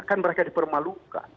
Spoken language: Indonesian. akan mereka dipermalukan